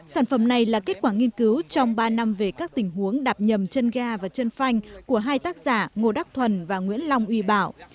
sản phẩm này là kết quả nghiên cứu trong ba năm về các tình huống đạp nhầm chân ga và chân phanh của hai tác giả ngô đắc thuần và nguyễn long uy bảo